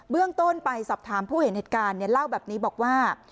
เรื่องต้นไปสอบถามผู้เห็นเหตุการณ์เล่าแบบนี้บอกว่า